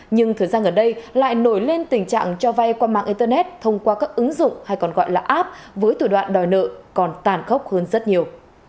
nhưng thời gian gần đây lại nổi lên tình trạng cho vay qua mạng internet thông qua các ứng dụng hay còn gọi là app với thủ đoạn đòi nợ còn tàn khốc hơn rất nhiều